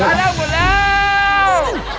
กระด้าวหมดแล้ว